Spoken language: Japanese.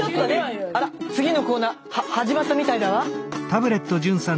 あら次のコーナーは始まったみたいだわ。